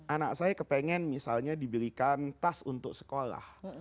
anak saya kepengen misalnya dibelikan tas untuk sekolah